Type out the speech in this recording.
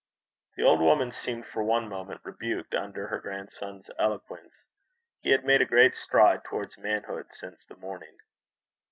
The old woman seemed for one moment rebuked under her grandson's eloquence. He had made a great stride towards manhood since the morning.